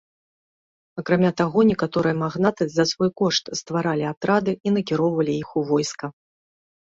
Акрамя таго некаторыя магнаты за свой кошт стваралі атрады і накіроўвалі іх у войска.